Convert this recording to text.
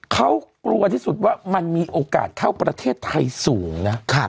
เขากลัวที่สุดว่ามันมีโอกาสเข้าประเทศไทยสูงนะ